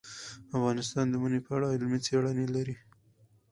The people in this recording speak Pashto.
افغانستان د منی په اړه علمي څېړنې لري.